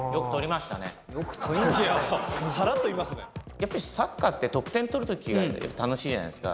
やっぱりサッカーって得点取る時が楽しいじゃないですか。